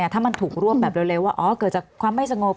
ถ้ามันถูกรวบแบบเร็วว่าเกิดจากความไม่สงบ